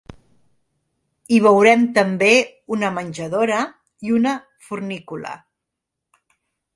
Hi veurem també una menjadora i una fornícula.